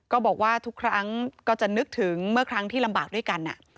ก็บอกว่าทุกครั้งก็จะนึกถึงเมื่อครั้งที่ลำบากด้วยกัน